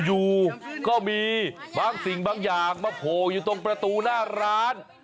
อยู่ก็มีบางสิ่งบางอย่างมาโผล่อยู่ตรงประตูหน้าร้าน